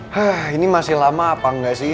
hah ini masih lama apa enggak sih